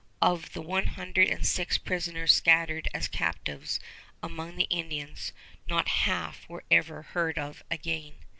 Of the one hundred and six prisoners scattered as captives among the Indians, not half were ever heard of again.